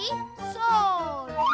それ！